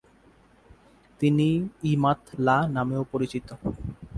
তিনি ই-মাত-লা নামেও পরিচিত।